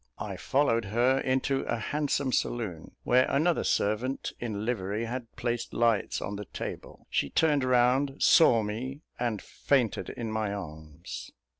I followed her into a handsome saloon, where another servant in livery had placed lights on the table. She turned round, saw me, and fainted in my arms.